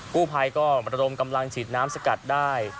กู้ภัยก็ระดมกำลังฉีดน้ำสกัดได้